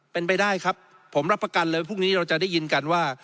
เป็นไปได้ครับผมรับประกันเลยพรุ่งนี้เราจะได้ยินกันว่า